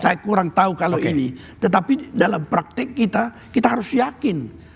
saya kurang tahu kalau ini tetapi dalam praktek kita kita harus yakin